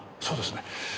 そうですね。